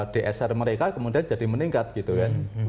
dsr mereka kemudian jadi meningkat gitu kan